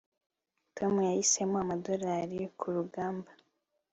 Tom yahisemo amadorari kurugamba